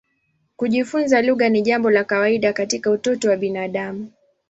Kujifunza lugha ni jambo la kawaida katika utoto wa binadamu.